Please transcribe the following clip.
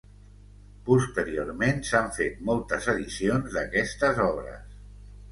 Posteriorment s'han fet moltes edicions d'aquestes obres.